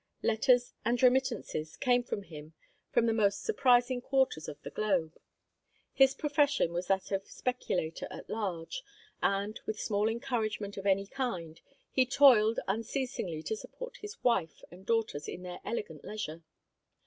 Letters and remittances came from him from the most surprising quarters of the globe. His profession was that of speculator at large, and, with small encouragement of any kind, he toiled unceasingly to support his wife and daughters in their elegant leisure.